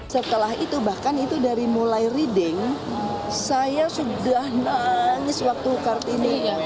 setelah itu bahkan itu dari mulai reading saya sudah nangis waktu kartini